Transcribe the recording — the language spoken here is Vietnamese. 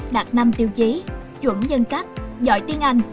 đạt năm tiêu chí chuẩn nhân cách giỏi tiếng anh